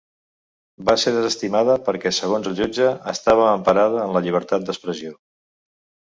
Va ser desestimada perquè segons el jutge, estava emparada en la llibertat d’expressió.